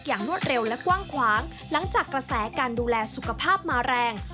รวดเร็วและกว้างขวางหลังจากกระแสการดูแลสุขภาพมาแรง